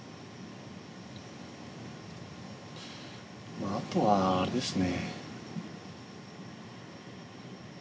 まああとはあれですね。